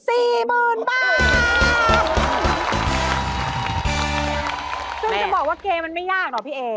ซึ่งจะบอกว่าเกมมันไม่ยากหรอกพี่เอ๋